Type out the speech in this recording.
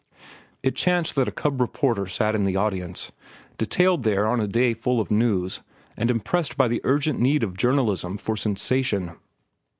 It chanced that a cub reporter sat in the audience, detailed there on a day dull of news and impressed by the urgent need of journalism for sensation.